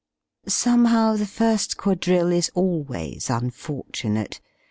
Somehow, the first quadrille is always unfortunate!